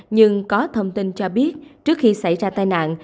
nhưng có thông tin cho biết trước khi xảy ra tai nạn